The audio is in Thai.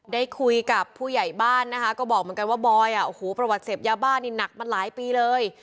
ได้คุยกับผู้ใหญ่บ้านนะคะก็บอกเหมือนกันว่าบอยอ่ะโอ้โหประวัติเสพยาบ้านนี่หนักมาหลายปีเลย